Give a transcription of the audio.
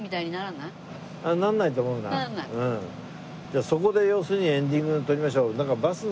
じゃあそこで要するにエンディングを撮りましょう。